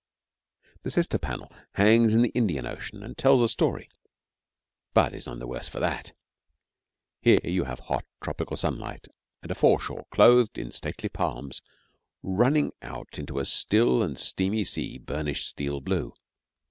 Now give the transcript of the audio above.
The sister panel hangs in the Indian Ocean and tells a story, but is none the worse for that. Here you have hot tropical sunlight and a foreshore clothed in stately palms running out into a still and steamy sea burnished steel blue.